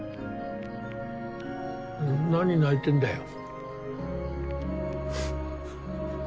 何泣いてんだよ。